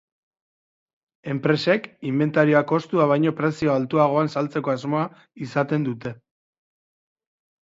Enpresek, inbentarioa kostua baino prezio altuagoan saltzeko asmoa izaten dute.